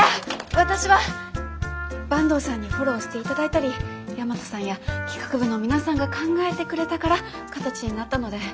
私は坂東さんにフォローして頂いたり大和さんや企画部の皆さんが考えてくれたから形になったので。